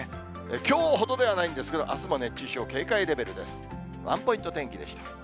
きょうほどではないんですけれども、あすも熱中症警戒レベルです。